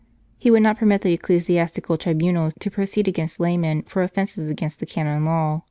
He would not permit the ecclesiastical tribunals to proceed against laymen for offences against the canon law.